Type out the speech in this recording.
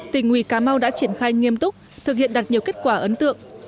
tỉnh quỳ cà mau đã triển khai nghiêm túc thực hiện đặt nhiều kết quả ấn tượng